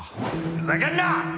ふざけんな！